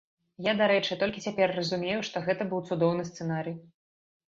Я, дарэчы, толькі цяпер разумею, што гэта быў цудоўны сцэнарый.